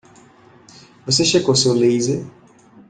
Você checou seu laser?